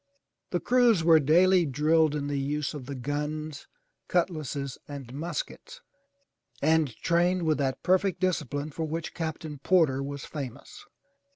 The crews were daily drilled in the use of the guns, cutlasses and muskets and trained with that perfect discipline for which Captain Porter was famous.